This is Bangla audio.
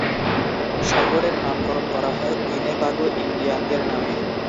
শহরের নামকরণ করা হয় উইনেবাগো ইন্ডিয়ানদের নামে।